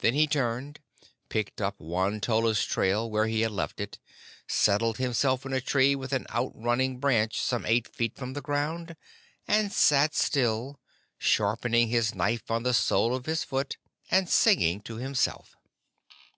Then he turned, picked up Won tolla's trail where he had left it, settled himself in a tree with an outrunning branch some eight feet from the ground, and sat still, sharpening his knife on the sole of his foot and singing to himself.